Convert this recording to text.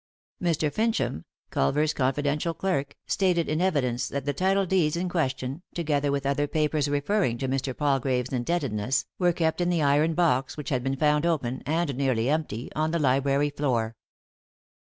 Mr. Fincham, Culver's confidential clerk, stated in evidence that the title deeds in question, together with other papers referring to Mr, Palgrave's indebtedness, were kept in the iron box which had been found open, and nearly empty, on the library floor.